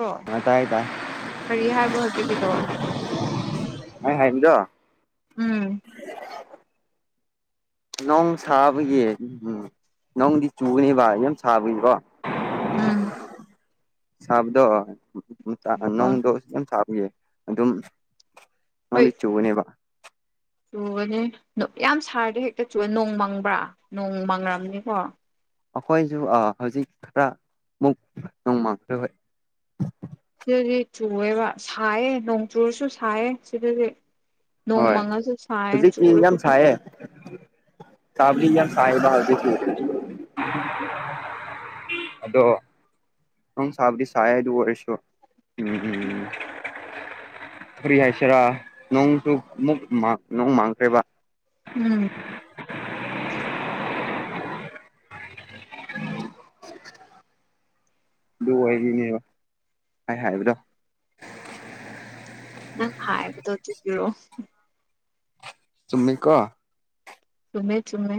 ꯑꯣ ꯑ ꯇꯥꯏ ꯇꯥꯏ ꯀꯔꯤ ꯍꯥꯏꯕ ꯍꯧꯖꯤꯛꯀꯤꯗꯣ ꯑꯩ ꯍꯥꯏꯃꯤꯗꯣ ꯎꯝ ꯅꯣꯡ ꯁꯥꯕꯒꯤ ꯎꯝ ꯅꯣꯡꯗꯤ ꯆꯨꯒꯅꯦꯕꯚ ꯌꯥꯝ ꯁꯥꯕꯒꯤꯀꯣ ꯎꯝ ꯁꯥꯕꯗ ꯍꯣꯏ ꯅꯣꯡꯗꯣ ꯌꯥꯝ ꯁꯥꯄꯌꯦ ꯑꯗꯨꯝ ꯍꯣꯏ ꯅꯣꯡꯗꯤ ꯆꯨꯕꯅꯦꯕ ꯆꯨꯒꯅꯤ ꯌꯥꯝ ꯁꯥꯔꯗꯤ ꯍꯦꯛꯇ ꯆꯨ ꯅꯣꯡ ꯃꯪꯕ꯭ꯔꯥ ꯅꯣꯡ ꯃꯪꯉꯝꯅꯤꯀꯣ ꯑꯩꯈꯣꯏꯁꯨ ꯍꯧꯖꯤꯛ ꯈꯔ ꯃꯨꯛ ꯅꯣꯡꯃꯡꯈ꯭ꯔ ꯍꯣꯏ ꯁꯤꯗꯗꯤ ꯆꯨꯦꯋꯦ ꯁꯥꯏꯌꯦ ꯅꯣꯡ ꯆꯨꯔꯁꯨ ꯁꯥꯏꯌꯦ ꯁꯤꯗꯗꯤ ꯍꯣꯏ ꯅꯣꯡꯃꯪꯉꯁꯨ ꯁꯥꯏ ꯍꯧꯖꯤꯛꯇꯤ ꯆꯨꯔꯁꯨ ꯁꯥꯏ ꯀꯥꯕꯂꯤ ꯌꯥ ꯁꯥꯦꯕꯖꯤ [inaudible] ꯑꯗꯣ ꯕꯁ ꯑꯗꯨ ꯑꯣꯏꯔꯁꯨꯣ ꯎꯝꯝ ꯐꯔꯤ ꯍꯥꯏꯁꯤꯔꯥ ꯅꯣꯡꯁꯨ ꯑꯃꯨꯛ ꯅꯣꯡ ꯃꯥꯡꯈ꯭ꯔꯦꯕ ꯎꯝ ꯎꯝ ꯑꯗꯨ ꯑꯣꯏꯔꯤꯅꯦꯕ ꯍꯥꯏ ꯍꯥꯏꯕꯗꯣ ꯅꯪ ꯍꯥꯏꯕ ꯆꯣ ꯆꯨꯝꯃꯤ ꯀꯣ ꯆꯨꯝꯃꯦ ꯆꯨꯝꯃꯦ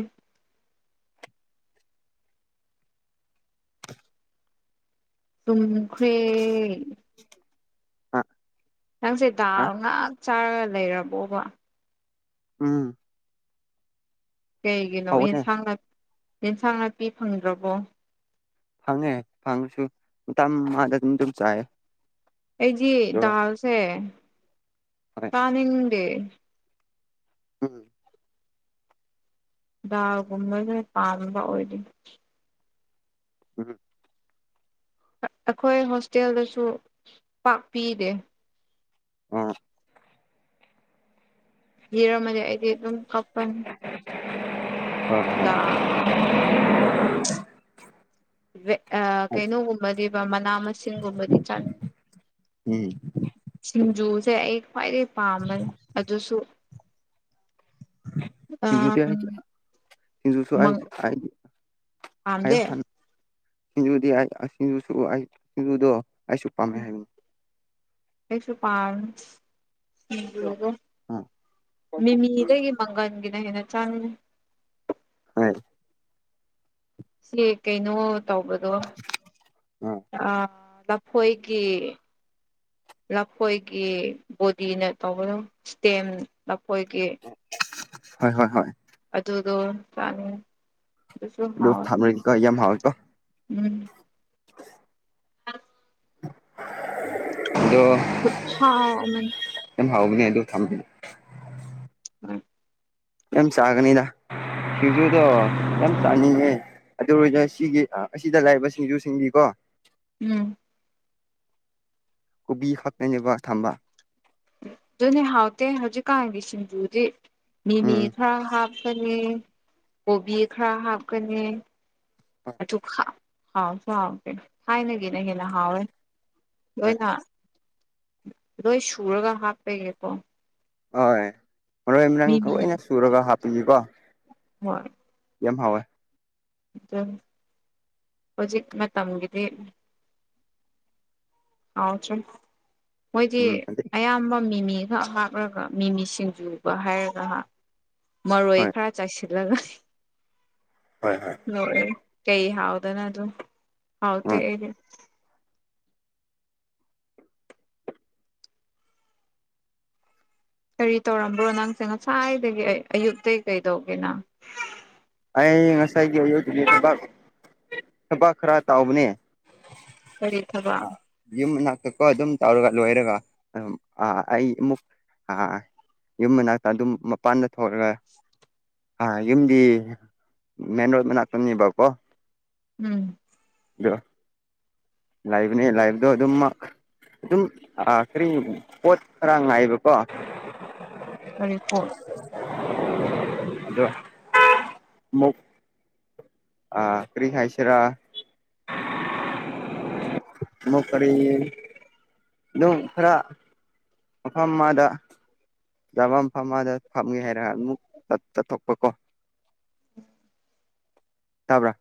ꯇꯝꯈꯦ ꯑ ꯅꯪꯁꯦ ꯗꯥꯜ ꯉꯥꯛ ꯆꯥꯔꯒ ꯂꯩꯔꯕꯣꯕ ꯎꯝ ꯀꯩꯒꯤꯅꯣ ꯍꯧꯕꯅꯦ ꯌꯦꯟꯁꯥꯡ ꯅꯥ ꯌꯦꯟꯁꯥꯡ ꯅꯥꯄꯤ ꯐꯪꯗ꯭ꯔꯕꯣ ꯐꯪꯉꯦ ꯐꯪꯉꯁꯨ ꯃꯇꯝ ꯃꯥꯗ ꯑꯗꯨꯝ ꯑꯗꯨꯝ ꯆꯥꯏꯌꯦ ꯑꯩꯗꯤ ꯗꯥꯜꯁꯦ ꯍꯣꯏ ꯇꯥꯅꯤꯡꯗꯦ ꯎꯝ ꯗꯥꯒꯨꯝꯕꯁꯦ ꯄꯥꯝꯕ ꯑꯣꯏꯗꯤ ꯎꯝ ꯑꯩꯈꯣꯏ ꯍꯣꯁꯇꯦꯜꯗꯁꯨ ꯄꯥꯛꯄꯤꯔꯦ ꯑ ꯌꯦꯔꯝꯃꯅꯤ ꯑꯩꯗꯤ ꯑꯗꯨꯝ ꯍꯥꯞꯄꯅꯤ [unintelligible] [unintelligible] ꯍꯣꯏ ꯀꯩꯅꯣꯒꯨꯝꯕꯗꯤꯕ ꯃꯅꯥ ꯃꯁꯤꯡ ꯁꯤꯁꯤꯡꯒꯣꯕꯗꯤ ꯆ ꯎꯝ ꯁꯤꯁꯤꯡꯖꯨꯁꯦ ꯑꯩ ꯈ꯭ꯋꯥꯏꯗꯩ ꯄꯥꯝꯃꯦ ꯑꯗꯨꯁꯨ ꯁꯤꯡꯖꯨ ꯑꯥ ꯍꯥꯏ ꯍꯖꯁꯨ ꯍꯥꯏ ꯍꯥꯏꯗꯤ ꯄꯥꯃꯗꯦ ꯁꯤꯡꯖꯨꯗꯤ ꯑꯩ ꯁꯤꯡꯖꯨꯁꯨ ꯑꯩ ꯁꯤꯡꯖꯨꯗꯣ ꯑꯩꯁꯨ ꯄꯥꯝꯃꯦ ꯍꯥꯏꯕꯅꯤ ꯀꯩꯁꯨ ꯄꯥꯟ ꯑ ꯃꯤꯃꯤꯗꯒꯤ ꯃꯪꯒꯜꯒꯤꯅ ꯍꯦꯟꯅ ꯆꯥꯅꯤꯡ ꯍꯣꯏ ꯁꯤ ꯀꯩꯅꯣ ꯇꯧꯕꯗꯣ ꯑ ꯂꯐꯣꯏꯒꯤ ꯂꯐꯣꯏꯒꯤ ꯕꯣꯗꯤꯅ ꯇꯧꯕꯗ ꯏꯁꯇꯦꯝ ꯂꯐꯣꯏꯒꯤ ꯍꯣꯏ ꯍꯣꯏ ꯍꯣꯏ ꯑꯗꯨꯗꯣ ꯆꯥꯅꯤꯡꯉꯦ ꯑꯗꯨꯁꯨ ꯑꯗꯨ ꯍꯥꯎꯋꯦ ꯊ ꯀ ꯌꯥꯝ ꯍꯥꯎ ꯎꯝ ꯑꯗꯣ ꯈꯨꯠꯁꯥ ꯑꯃꯅꯦ ꯝ ꯍꯥꯎ ꯄꯅꯦ ꯍꯥꯏꯗ ꯊꯝ ꯄꯅꯤ [unintelligible] ꯌꯥꯝ ꯆꯥꯒꯅꯤꯗ ꯁꯤꯡꯖꯨꯗ ꯌꯥꯝ ꯆꯥꯅꯤ ꯑꯗꯨꯔ ꯑꯣꯏꯅꯅ ꯁꯤꯒꯤ ꯑꯁꯤꯗ ꯂꯥꯛꯏꯕ ꯁꯤꯡꯖꯨ ꯁꯤꯡꯕꯤꯀꯣ ꯎꯝ ꯀꯣꯕꯤ ꯈꯛꯅꯕ ꯊꯝꯕ ꯑꯗꯨꯅꯦ ꯍꯥꯎꯇꯦ ꯍꯧꯖꯤꯛꯀꯥꯟꯒꯤ ꯁꯤꯡꯖꯨꯗꯤ ꯃꯤꯃꯤ ꯎꯝ ꯈꯔ ꯍꯥꯞꯄ ꯍꯥꯞꯀꯅꯤ ꯀꯣꯕꯤ ꯈꯔ ꯍꯥꯞꯀꯅꯤ ꯑꯗꯨ ꯍꯥꯎꯁꯨ ꯍꯥꯎꯗꯦ ꯊꯥꯏꯅꯒꯤꯅ ꯍꯦꯟꯅ ꯍꯥꯎꯋꯦ ꯍꯣꯏ ꯂꯣꯏꯅ ꯂꯣꯏ ꯁꯨꯔꯒ ꯍꯥꯞꯄꯒꯦꯀꯣ ꯍꯣꯏ ꯃꯔꯣꯏ ꯃꯔꯥꯡ ꯃꯤꯃꯤ ꯂꯣꯏꯅ ꯁꯨꯔꯒ ꯍꯥꯞꯄꯤꯌꯀꯣ ꯌꯥꯝ ꯍꯥꯎꯋꯥꯦ ꯑ ꯍꯧꯖꯤꯛ ꯃꯇꯝꯒꯤꯗꯤ ꯑꯥꯎꯁꯦ ꯃꯣꯏꯗꯤ ꯎꯝ ꯑꯌꯥꯝꯕ ꯃꯤꯃꯤꯒ ꯀꯔꯒ ꯃꯤꯃꯤ ꯁꯤꯡꯖꯨꯕ ꯍꯥꯏꯔꯒ ꯃꯔꯣꯏ ꯍꯣꯏ ꯈꯔ ꯆꯥꯏꯁꯤꯜꯂꯒ ꯍꯣꯏ ꯍꯣꯏ ꯀꯩ ꯍꯥꯎꯗꯅ ꯑꯗꯨ ꯍꯥꯎ ꯎꯝ ꯇꯗꯤ ꯀꯔꯤ ꯇꯧꯔꯝꯕ꯭ꯔꯣ ꯅꯪꯁꯦ ꯉꯁꯥꯏꯗꯒꯤ ꯑꯌꯨꯛꯇꯇꯩꯒꯤ ꯀꯩꯗꯧꯒꯦꯅꯪ ꯑꯩ ꯉꯁꯥꯏꯒꯤ ꯑꯌꯒꯤ ꯊꯕꯛ ꯊꯕꯛ ꯈꯔ ꯇꯥꯎꯕꯅꯦ ꯀꯔꯤ ꯊꯕꯥꯛ ꯌꯨꯝ ꯃꯅꯥꯛꯇꯛꯀ ꯑꯗꯨꯝ ꯇꯧꯔꯒ ꯂꯣꯏꯔꯒ ꯑꯗꯨꯝ ꯑꯩ ꯑꯃꯨꯛ ꯑ ꯌꯨꯝ ꯃꯅꯥꯛꯇ ꯑꯗꯨꯝ ꯃꯄꯥꯟꯗ ꯊꯣꯛꯒꯦ ꯑ ꯌꯨꯝꯗꯤ ꯃꯦꯟ ꯔꯣꯗꯅꯥꯥꯛꯛꯇꯅꯦꯕꯀꯣ ꯎꯝ [inaudible] ꯂꯥꯏꯚꯅꯦ ꯂꯥꯏꯚꯗꯣ ꯑꯗꯨꯝ ꯑꯗꯨꯝ ꯀꯔꯤ ꯄꯣꯠ ꯈꯔ ꯉꯥꯏꯕꯀꯣ ꯀꯥꯔꯤ ꯐꯣꯠ ꯑꯗꯣ ꯃꯨꯛ ꯑ ꯀ꯭ꯔꯤ ꯈꯥꯏꯁꯔꯥ ꯃ ꯀꯔꯤ ꯑꯗꯨꯝ ꯈꯔ ꯃꯐꯝ ꯑꯃꯗ ꯆꯃꯝ ꯐꯝꯃꯗ ꯐꯝꯒꯦ ꯍꯥꯏꯔꯒ ꯑꯃꯨꯛ ꯆꯠꯊꯣꯛꯄ ꯀꯣ ꯇꯥꯕ꯭ꯔꯥ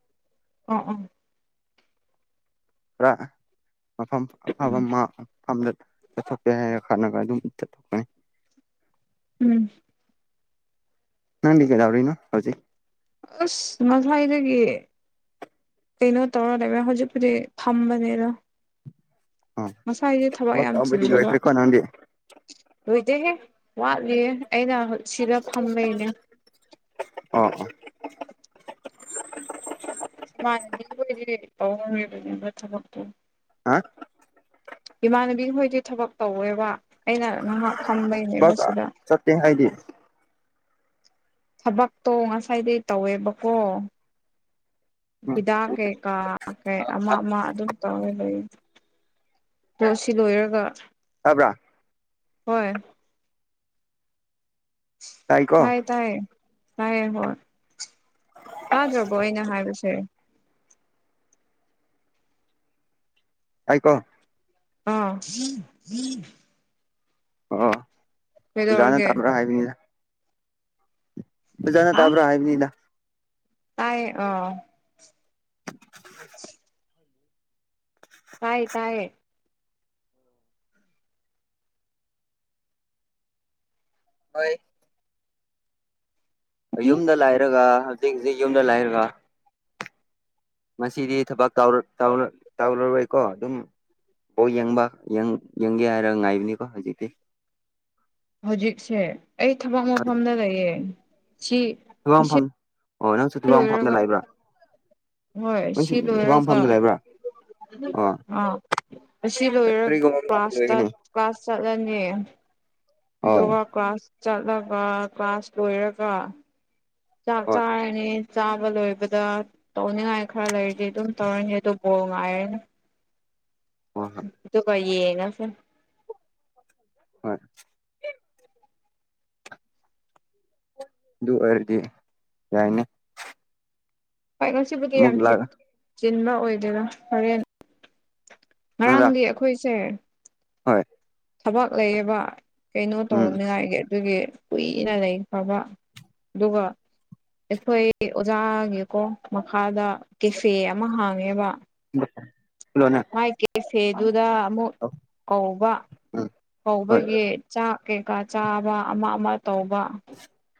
ꯑꯣ ꯑꯣ ꯄꯨꯔ ꯃꯐꯝ ꯑꯐꯝꯗ ꯆꯠꯊꯣꯛꯀꯦ ꯍꯥꯏꯔꯒ ꯈꯠꯅꯒ ꯑꯗꯨꯝ ꯆꯠꯊꯣꯛꯀꯅꯤ ꯎꯝ ꯅꯥꯟ ꯀꯩꯗꯧꯔꯤꯅꯣ ꯍꯧꯖꯤꯛ ꯑꯁ ꯃꯁꯥꯏꯗꯒꯤ ꯀꯩꯅꯣ ꯇꯧꯔ ꯂꯩꯕ꯭ꯔ ꯍꯧꯖꯤꯛ ꯍꯧꯖꯤꯛ ꯊꯝꯕꯅꯤꯅ ꯑꯣ ꯉꯁꯥꯏꯁꯦ ꯊꯕꯛ ꯌꯥꯝ ꯇꯧꯕꯗꯤ ꯆꯤꯟꯖꯕ ꯂꯣꯏꯈ꯭ꯔꯦꯀꯣ ꯅꯪꯗꯤ ꯂꯣꯏꯖꯦꯍꯦ ꯋꯥꯠꯂꯤꯌꯦꯦ ꯑꯩꯅ ꯁꯤꯗ ꯐꯝꯕꯩꯅꯦ ꯑꯣ ꯏꯃꯥꯟꯅꯕꯤꯒꯤ ꯑꯣꯏꯗꯤ ꯄꯥꯎꯍꯧꯔꯤꯕꯅꯤꯅ ꯊꯕꯛꯇꯣ ꯍꯥ ꯏꯃꯥꯟꯅꯕꯤ ꯈꯣꯏꯗꯤ ꯊꯕꯛ ꯇꯧꯋꯦꯕ ꯑꯩꯅ ꯉꯍꯥꯛ ꯁ ꯆꯠꯇꯦ ꯍꯥꯏꯗꯤ ꯊꯕꯛꯇꯣ ꯉꯁꯥꯏꯗꯩ ꯇꯧꯋꯦꯕꯀꯣ ꯏꯗꯥꯛ ꯀꯩꯒꯥ ꯑꯀꯩ ꯑꯃ ꯑꯃ ꯑꯗꯨꯝ ꯇꯧꯔ ꯂꯩ ꯑꯗꯣ ꯁꯤ ꯂꯣꯏꯔꯒ ꯇꯥꯕ꯭ꯔꯥ ꯍꯣꯏ ꯇꯥꯏꯀꯣ ꯍꯥꯏ ꯇꯥꯏꯌꯦ ꯇꯥꯏꯌꯦ ꯍꯣꯏ ꯇꯥꯗ꯭ꯔꯕꯣ ꯑꯩꯅ ꯍꯥꯏꯕꯁꯦ ꯇꯥꯏꯀꯣ ꯑꯥ ꯑꯣ ꯑꯣꯖꯥꯅ ꯀꯩꯗꯧꯔꯒꯦ ꯇꯥꯃ꯭ꯔꯥ ꯍꯥꯏꯕꯅꯤꯅ ꯑꯣꯖꯥ ꯇꯥꯕ꯭ꯔꯥ ꯍꯥꯏꯅꯤꯂ ꯇꯥꯏ ꯑꯣ [unintelligible] ꯇꯥꯏ ꯇꯥꯏꯌꯦ ꯍꯣꯏ ꯌꯨꯝꯗ ꯂꯥꯏꯔꯒ ꯍꯧꯖꯤꯛ ꯍꯧꯖꯤꯛ ꯌꯨꯝꯗ ꯂꯥꯏꯔꯒ ꯉꯗꯤ ꯊꯕꯛ ꯇꯧꯔꯔꯣꯏꯀꯣ ꯑꯗꯨꯝ ꯑꯣ ꯌꯦꯡꯕ ꯌꯦꯡꯒꯦ ꯍꯥꯏꯔꯒ ꯉꯥꯏꯕꯅꯤꯀꯣ ꯍꯧꯖꯤꯛꯇꯤ ꯍꯧꯖꯤꯛꯁꯦ ꯑꯩ ꯊꯕꯛ ꯃꯐꯝꯗ ꯂꯩꯌꯦ ꯁꯤ ꯊꯨ ꯑꯁꯤ ꯃꯐꯝ ꯑꯣ ꯅꯪꯁꯨ ꯊꯨꯕꯥ ꯃꯐꯝꯅ ꯂꯣꯏꯔꯒ ꯂꯥꯛꯏꯕ꯭ꯔꯥ ꯊꯧꯕꯥ ꯃꯐꯝꯗ ꯂꯩꯕ꯭ꯔꯥ ꯑꯣ ꯑ ꯑꯁꯤ ꯂꯣꯏꯔꯒ ꯀꯔꯤꯒꯨꯝꯕ ꯃꯇꯝꯗ ꯀ꯭ꯂꯥꯁ ꯂꯣꯏꯒꯅꯤ ꯀ꯭ꯂꯥꯁ ꯆꯠꯂꯅꯤ [unintelligible] ꯍꯣꯏ ꯑꯗꯨꯒ ꯀ꯭ꯂꯥꯁ ꯆꯠꯂꯒ ꯀ꯭ꯂꯥꯁ ꯂꯣꯏꯔꯒ ꯆꯥꯛ ꯆꯥ ꯍꯣꯏ ꯆꯥꯕ ꯂꯣꯏꯕꯗ ꯇꯧꯅꯤꯉꯥꯏ ꯈꯔ ꯂꯩꯔꯗꯤ ꯑꯗꯨꯝ ꯇꯧꯔꯅꯤ ꯑꯗꯨ ꯕꯣꯔ ꯉꯥꯏꯔꯅꯤ ꯑꯣ ꯇ ꯀꯦ ꯅ ꯐ ꯍꯣꯏ ꯑꯗꯨ ꯑꯣꯏꯔꯗꯤ ꯌꯥꯏꯅꯦ ꯈ꯭ꯋꯥꯏ ꯉꯁꯤꯕꯨꯗꯤ ꯑꯃꯨꯛ ꯌꯥꯝ ꯂꯥꯛ ꯆꯤꯟꯕ ꯑꯣꯏꯗꯦꯔꯥ ꯍꯣꯔꯦꯟ ꯅꯪꯔꯥ ꯉꯔꯥꯡꯗꯤ ꯑꯩꯈꯣꯏꯁꯦ ꯍꯣꯏ ꯊꯕꯛ ꯂꯩꯌꯦꯕ ꯀꯩꯅꯣ ꯎꯝ ꯇꯧꯅꯤꯉꯥꯏꯒꯤ ꯑꯗꯨꯒꯤ ꯀꯨꯏꯅ ꯂꯩꯈꯔꯥꯕ ꯑꯗꯨꯒꯥ ꯑꯩꯈꯣꯏ ꯑꯣꯖꯥꯒꯤꯀꯣ ꯃꯈꯥꯗ ꯀꯦꯐꯦ ꯑꯃ ꯍꯥꯡꯉꯦꯕ [unintelligible] ꯂꯣꯅꯦ ꯃꯥꯏ ꯀꯦꯐꯦꯗꯨꯗ ꯑꯃꯨꯛ ꯀꯧꯕ ꯎꯝ ꯍꯣꯏ ꯀꯧꯕꯒꯤ ꯆꯥꯛ ꯀꯩꯀꯥ ꯆꯥꯕ ꯑꯃꯥ ꯑꯃꯥ ꯇꯧꯕ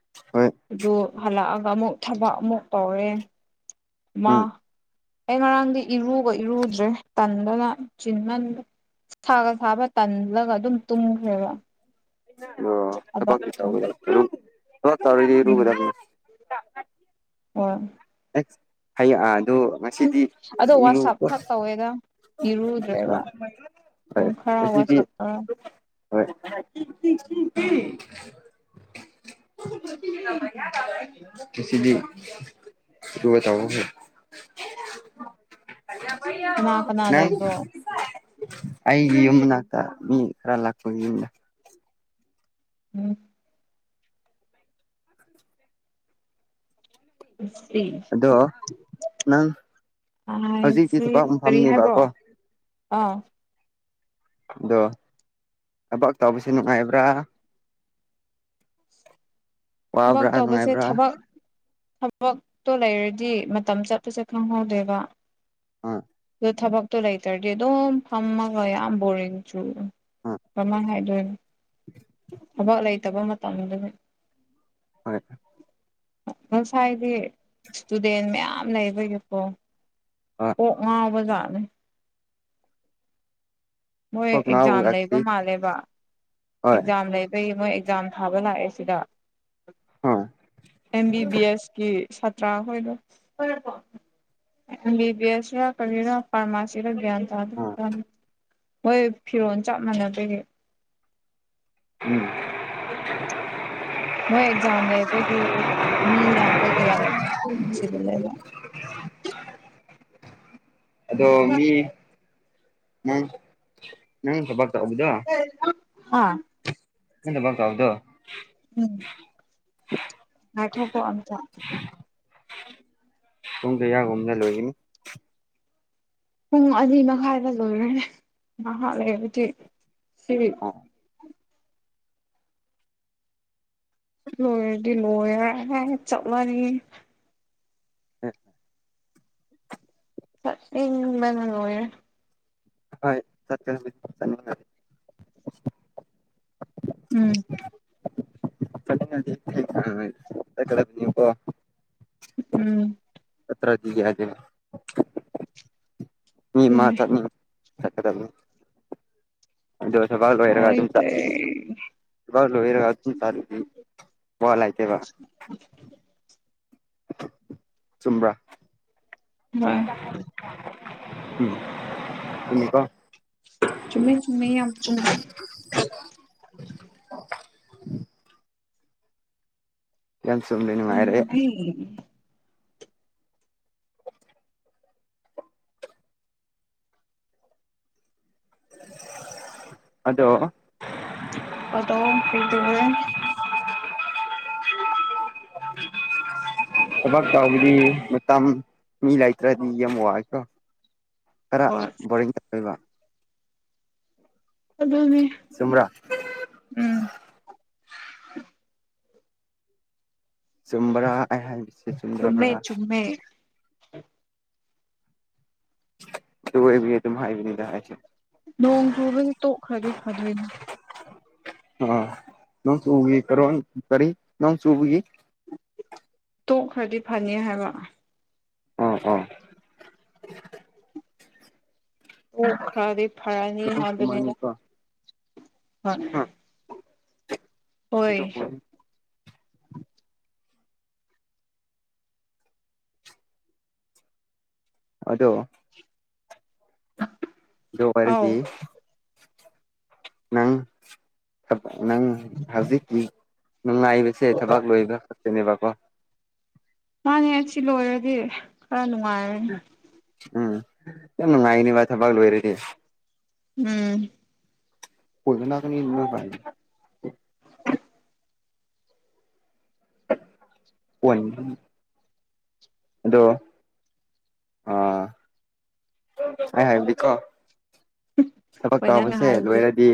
[unintelligible] ꯑꯗꯨ ꯍꯜꯂꯛꯑꯒ ꯑꯃꯨꯛ ꯊꯕꯛ ꯑꯃꯨꯛ ꯇꯧꯔꯦ ꯃꯥ ꯎꯝ ꯑꯩ ꯉꯔꯥꯡꯗꯤ ꯏꯔꯨꯒ ꯏꯔꯨꯗ꯭ꯔꯦ ꯇꯟꯗꯅ ꯆꯤꯟꯃꯟ ꯁꯥꯒ ꯁꯥꯕ ꯇꯜꯂꯒ ꯑꯗꯨꯝ ꯇꯨꯝꯈ꯭ꯔꯦꯕ ꯊꯕꯛꯇꯣ ꯎꯝ [unintelligible] ꯍꯣꯏ ꯍꯩ ꯑꯥ ꯑꯗꯨꯕꯨ ꯑꯗꯣ ꯋꯥꯁꯞ ꯈꯛ ꯇꯧꯋꯦꯗ ꯏꯔꯨꯗ꯭ꯔꯦꯕ ꯑꯥ ꯍꯣꯏ ꯄꯨꯝ ꯈꯔ ꯉꯁꯤꯗꯤ ꯋꯥꯁꯞ ꯇꯧ ꯍꯣꯏ ꯁꯤꯗꯤ ꯑꯗꯨꯒꯥ ꯇꯧꯕꯥꯒꯤ ꯀꯅꯥ ꯀꯅꯥ ꯂꯩꯕ꯭ꯔꯣ ꯑꯩꯒꯤ ꯌꯨꯝ ꯃꯥꯅꯥꯛꯇ ꯃꯤ ꯈꯔ ꯂꯥꯛꯄꯒꯤ ꯎꯝ ꯁꯤ ꯑꯗꯣ ꯅꯪ ꯑꯥ ꯍꯧꯖꯤꯛꯇꯤ ꯁꯤ ꯊꯕꯛ ꯀꯔꯤ ꯃꯐꯝꯅꯦꯕꯀꯣ ꯍꯥꯏꯕꯔꯣ ꯑꯥ ꯑꯗꯣ ꯊꯥꯕꯛ ꯇꯧꯕꯁꯦ ꯅꯨꯡꯉꯥꯏꯕ꯭ꯔꯥ ꯊꯥꯕꯛ ꯋꯥꯕ꯭ꯔꯥ ꯇꯣꯕꯁꯦ ꯅꯨꯡꯉꯥꯏꯕ꯭ꯔꯥ ꯊꯥꯕꯛ ꯊꯕꯛꯇꯣ ꯂꯩꯔꯗꯤ ꯃꯇꯝ ꯆꯠꯄꯁꯦ ꯈꯪꯍꯧꯗꯦꯕ ꯑꯥ ꯑꯗꯣ ꯊꯕꯛꯇꯣ ꯂꯩꯇ꯭ꯔꯗꯤ ꯑꯗꯨꯝ ꯐꯝꯃꯥꯒ ꯌꯥꯝ ꯕꯣꯔꯤꯡ ꯆꯨꯏ ꯑꯥ ꯀꯃꯥꯏꯅ ꯍꯥꯏꯗꯣꯏꯅꯣ [inaudible] ꯊꯥꯕꯛ ꯂꯩꯇꯕ ꯃꯇꯝꯗꯨ ꯍꯣꯏ ꯉꯁꯥꯏꯗꯤ ꯏꯁꯇꯨꯗꯦꯟ ꯃꯌꯥꯝ ꯂꯩꯕꯒꯤꯀꯣ ꯑꯥ ꯀꯣꯛ ꯉꯥꯎꯕꯖꯥꯠꯅꯦ ꯃꯣꯏ ꯀꯣꯛ ꯑꯦꯛꯖꯥꯝ ꯂꯩꯕ ꯉꯥꯎꯒꯛꯇꯤ ꯃꯥꯜꯂꯦꯕ ꯍꯣꯏ ꯑꯦꯛꯖꯥꯝ ꯂꯩꯕꯒꯤ ꯃꯣꯏ ꯑꯦꯛꯖꯥꯝ ꯊꯥꯕ ꯂꯥꯛꯑꯦ ꯁꯤꯗ ꯑꯥ ꯑꯦꯝ ꯕꯤ ꯕꯤ ꯑꯦꯁ ꯀꯤ ꯁꯥꯇ꯭ꯔꯥ ꯍꯣꯏꯗꯣ ꯑꯦꯝ ꯕꯤ ꯕꯤ ꯑꯦꯁ ꯔꯥ ꯀꯔꯤꯔꯥ ꯐꯥꯔꯃꯥꯁꯤꯔꯥ ꯒꯌ꯭ꯥꯟ ꯇꯥꯗꯦ ꯑꯥ ꯃꯣꯏ ꯐꯤꯔꯣꯜ ꯆꯞ ꯃꯥꯟꯅꯕꯒꯤ ꯎꯝ ꯃꯣꯏ ꯑꯦꯛꯖꯥꯝ ꯂꯩꯕꯒꯤ ꯃꯤ ꯌꯥꯝꯕꯒꯤ ꯌꯥꯝ ꯆꯤꯟꯂꯦꯕ ꯑꯗꯣ ꯃꯤ ꯅꯪ ꯅꯪ ꯊꯥꯕꯛꯇꯣ ꯑꯗꯨꯗꯥ ꯍꯣꯏ [inaudible] [inaudible] ꯎꯝ ꯉꯥꯏꯈꯣꯀꯣ ꯑꯝꯇꯥ ꯄꯨꯡ ꯀꯌꯥ ꯒꯨꯝꯕꯗꯥ ꯂꯣꯏꯒꯅꯤ ꯄꯨꯡ ꯑꯅꯤ ꯃꯈꯥꯏꯗ ꯂꯣꯏꯔꯦꯍꯦ ꯉꯩꯍꯥꯛ ꯂꯩꯔꯗꯤ ꯁꯤ ꯑꯥ ꯂꯣꯏꯔꯗꯤ ꯂꯣꯏꯔꯦꯍꯦ ꯆꯠꯂꯅꯤ [inaudible] ꯆꯠꯅꯤꯡꯕꯅ ꯂꯣꯏꯔꯦ ꯑꯍꯣꯏ ꯆꯠꯀꯅꯤ ꯆꯠꯅꯕ ꯂꯩ ꯎꯝ ꯆꯠꯀꯗꯕꯅꯤꯀꯣ ꯎꯝ ꯆꯠꯇ꯭ꯔꯥꯗꯤ ꯌꯥꯗꯦꯕ ꯃꯤ ꯃꯥ ꯑꯗꯨꯅꯦ ꯆꯠꯅꯤꯡ ꯆꯠꯀꯗꯕꯅꯤ ꯑꯗꯣ ꯊꯕꯛ ꯎꯄꯥꯏ ꯂꯣꯢꯔꯒ ꯑꯗꯨꯝ ꯂꯩꯇꯦ ꯆꯠꯒꯅꯤ ꯚꯣꯠ ꯂꯣꯏꯔꯒ ꯑꯗꯨꯝ ꯋꯥꯟꯂꯩꯇꯦꯕ ꯆꯨꯝꯕ꯭ꯔꯥ ꯎꯝ ꯎꯝ ꯆꯨꯝꯃꯤꯀꯣ ꯆꯨꯝꯃꯦ ꯆꯨꯝꯃꯦ ꯌꯥꯝ ꯆꯨꯝꯃꯦ ꯌꯥꯝ ꯆꯨꯝꯃꯦ ꯅꯨꯡꯉꯥꯏꯔꯦ ꯎꯝ [unintelligible] ꯑꯗꯣ ꯑꯗꯣ ꯀꯩ ꯇꯧꯔꯦ ꯊꯥꯕꯛ ꯇꯧꯕꯗꯤ ꯃꯇꯝ ꯃꯤ ꯂꯩꯇ꯭ꯔꯦ ꯌꯥꯝ ꯋꯥꯏꯀꯣ ꯇꯔꯥ ꯍꯣꯏ ꯕꯣꯔꯤꯡ ꯂꯩꯕ ꯑꯗꯨꯅꯤ ꯆꯨꯝꯕ꯭ꯔꯥ ꯎꯝ ꯆꯨꯝꯕ꯭ꯔꯥ ꯑꯩ ꯍꯥꯏꯕꯁꯦ ꯆꯨꯝꯃꯦ ꯆꯨꯝꯗ꯭ꯔꯕ꯭ꯔꯥ ꯆꯨꯝꯃꯦ ꯇꯣꯏꯕꯤ ꯑꯗꯨꯝ ꯍꯥꯏꯕꯅꯤꯗ ꯑꯩꯁꯨ ꯅꯣꯡ ꯆꯨꯕꯁꯦ ꯇꯣꯛꯈ꯭ꯔꯥꯗꯤ ꯐꯥꯗꯣꯏꯅꯦ ꯑ ꯅꯣꯡ ꯆꯨꯒꯤꯕ꯭ꯔꯣ ꯀꯔꯤ ꯅꯣꯡ ꯆꯨꯒꯤ ꯇꯣꯛꯈ꯭ꯔꯗꯤ ꯐꯥꯅꯤ ꯍꯥꯏꯕ ꯑꯣ ꯑꯣ ꯇꯣꯛꯈ꯭ꯔꯥꯗꯤ ꯐꯥꯔꯅꯤ ꯅꯣꯡ ꯍꯥꯏꯕꯅꯤꯗ ꯆꯨꯃꯟꯀꯣ ꯍ ꯍꯣꯏ ꯑꯗꯣ ꯗꯣ ꯑꯧ ꯍꯥꯏꯔꯗꯤ ꯅꯪ ꯅꯪ ꯍꯧꯖꯤꯛꯀꯤ ꯅꯨꯡꯉꯥꯏꯕꯁꯦ ꯊꯕꯛ ꯂꯣꯏꯕ ꯈꯛꯇꯅꯦꯕꯀꯣ ꯃꯥꯅꯦ ꯑꯁꯤ ꯂꯣꯏꯔꯗꯤ ꯈꯥꯔ ꯅꯨꯡꯉꯥꯏꯔ ꯎꯝ ꯐꯖꯥ ꯅꯨꯡꯉꯥꯏꯅꯤꯕ ꯃꯥ ꯊꯕꯥꯛ ꯂꯣꯏꯔꯗꯤ ꯎꯝ ꯄꯨꯣꯏꯗꯅꯥ ꯀꯅꯤ ꯏ ꯐ [unintelligible] ꯍꯣꯏꯅꯦ ꯍꯣꯏꯅꯦ [inaudible] ꯑꯗꯣ ꯑꯩ ꯍꯥꯏꯕꯗꯤꯀꯣ ꯊꯕꯛ ꯍꯣꯏ ꯅꯪꯅ ꯇꯥꯕꯁꯦ ꯍꯥꯏꯕꯗꯤ ꯂꯣꯏꯔꯗꯤ